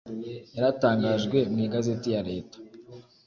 yaratangajwe mu Igazeti ya Leta